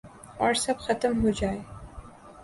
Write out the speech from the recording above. اور سب ختم ہوجائے